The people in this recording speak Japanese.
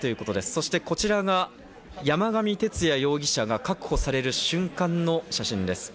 そして、こちらが山上徹也容疑者が確保される瞬間の写真です。